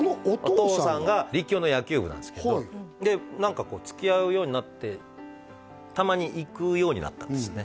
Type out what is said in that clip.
お父さんが立教の野球部なんですけどでつきあうようになってたまに行くようになったんですね